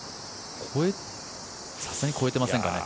さすがに越えていませんかね。